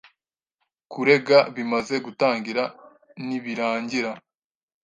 Kurega bimaze gutangira, ntibirangira.